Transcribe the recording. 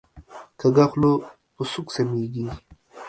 کږه خوله په سوک سمیږي